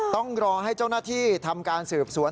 ต้องรอให้เจ้าหน้าที่ทำการสืบสวน